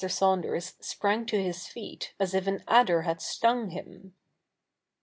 Saunders sprang to his feet as if an adder had stung him.